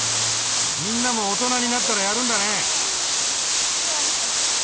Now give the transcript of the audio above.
みんなも大人になったらやるんだね。